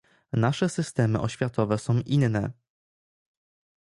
Nasze systemy oświatowe są inne